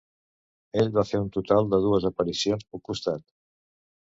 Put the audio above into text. Ell va fer un total de dues aparicions pel costat.